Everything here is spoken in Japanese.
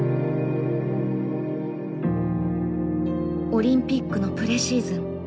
オリンピックのプレシーズン。